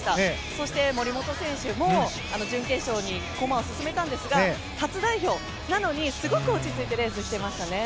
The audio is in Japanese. そして森本選手も準決勝に駒を進めたんですが初代表なのにすごく落ち着いてレースをしていましたね。